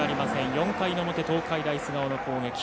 ４回の表、東海大菅生の攻撃。